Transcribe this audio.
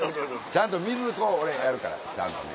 ちゃんと水こう俺やるからちゃんとね。